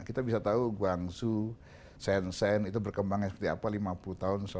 kita bisa tahu guangzhou shenzhen itu berkembangnya seperti apa lima puluh tahun